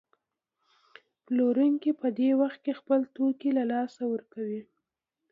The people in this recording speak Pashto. پلورونکی په دې وخت کې خپل توکي له لاسه ورکوي